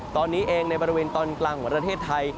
ตอนนี้เองในบริเวณตอนกลางของประเทศไทย